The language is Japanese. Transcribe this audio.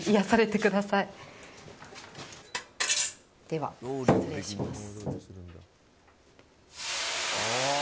では、失礼します。